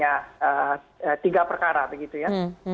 ya tiga perkara begitu ya